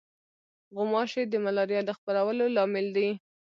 غوماشې د ملاریا د خپرولو لامل دي.